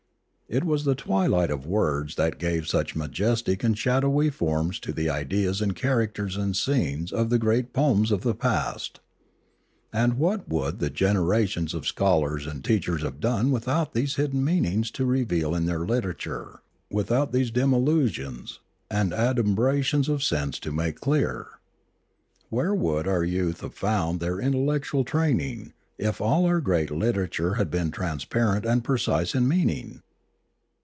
It was the twilight of words that gave such majestic and shadowy forms to the ideas and characters and scenes of the great poems of the past. And what would the generations of scholars and teach ers have done without these hidden meanings to reveal in their literature, without these intricacies to disen tangle, without these dim allusions and adumbrations of sense to make clear ? Where would our youth have found their intellectual training, if all our great litera ture had been transparent and precise in meaning